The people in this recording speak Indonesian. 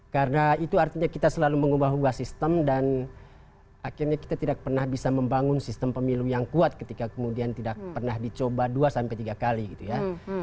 karena itu artinya kita selalu mengubah ubah sistem dan akhirnya kita tidak pernah bisa membangun sistem pemilu yang kuat ketika kemudian tidak pernah dicoba dua sampai tiga kali gitu ya